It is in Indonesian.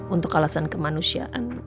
untuk alasan kemanusiaan